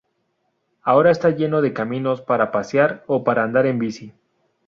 Ahora está lleno de caminos para pasear o para andar en bici.